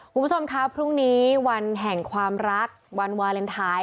คุณผู้ชมครับพรุ่งนี้วันแห่งความรักวันวาเลนไทย